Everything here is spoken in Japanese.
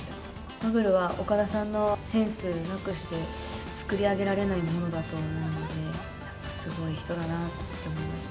ファブルは、岡田さんのセンスなくして作り上げられないものだと思うので、すごい人だなと思いました。